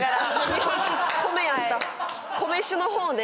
米酒の方ね。